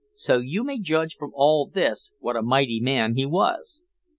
So you may judge from all this what a mighty man he was.